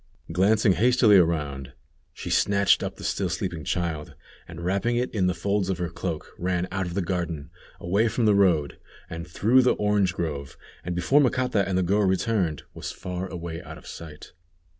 Glancing hastily around, she snatched up the still sleeping child, and wrapping it in the folds of her cloak, ran out of the garden, away from the road, on through the orange grove, and before Macata and the girl returned, was far away out of sight.